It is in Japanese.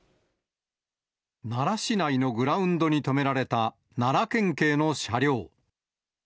奈良市内のグラウンドに止められた奈良県警の車両。